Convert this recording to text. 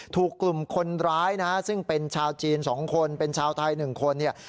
ถูกกลุ่มคนร้ายนะฮะซึ่งเป็นชาวจีน๒คนเป็นชาวไทย๑คนเนี่ย